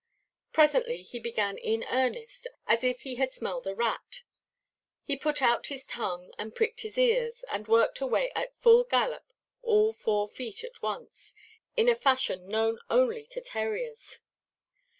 Presently he began in earnest, as if he had smelled a rat; he put out his tongue and pricked his ears, and worked away at full gallop, all four feet at once, in a fashion known only to terriers.